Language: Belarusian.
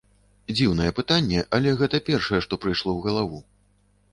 Дзіўнае пытанне, але гэта першае, што прыйшло ў галаву.